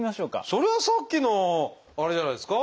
それはさっきのあれじゃないですか？